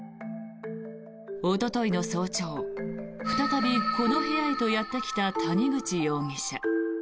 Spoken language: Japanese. おとといの早朝再び、この部屋へとやってきた谷口容疑者。